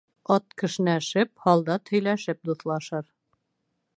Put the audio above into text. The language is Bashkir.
Ат кешнәшеп, һалдат һөйләшеп дуҫлашыр.